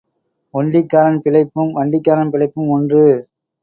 ஒண்டிக்காரன் பிழைப்பும் வண்டிக்காரன் பிழைப்பும் ஒன்று.